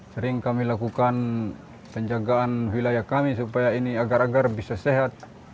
sering kami lakukan penjagaan wilayah kami supaya ini agar agar bisa sehat